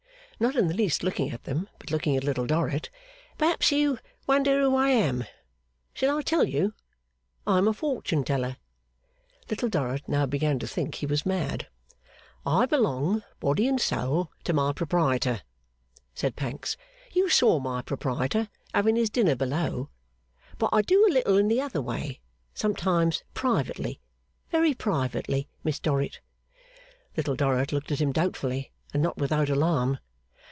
Not in the least looking at them, but looking at Little Dorrit. 'Perhaps you wonder who I am. Shall I tell you? I am a fortune teller.' Little Dorrit now began to think he was mad. 'I belong body and soul to my proprietor,' said Pancks; 'you saw my proprietor having his dinner below. But I do a little in the other way, sometimes; privately, very privately, Miss Dorrit.' Little Dorrit looked at him doubtfully, and not without alarm.